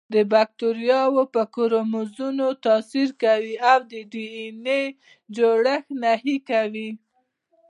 د باکتریاوو په کروموزومونو تاثیر کوي او د ډي این اې جوړښت نهي کوي.